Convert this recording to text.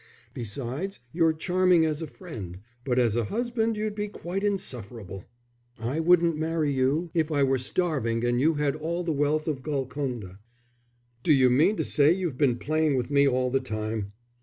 Besides, you're charming as a friend, but as a husband you'd be quite insufferable. I wouldn't marry you if I were starving and you had all the wealth of Golconda." "D'you mean to say you've been playing with me all the time?"